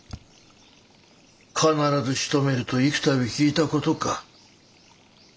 「必ずしとめる」と幾たび聞いた事か。